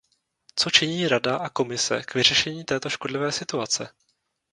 Co činí Rada a Komise k vyřešení této škodlivé situace?